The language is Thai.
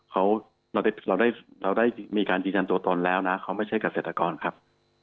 เขาเราได้เราได้มีการยืนยันตัวตนแล้วนะเขาไม่ใช่เกษตรกรครับ